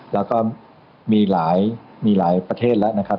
แล้วก็มีหลายประเทศแล้วนะครับ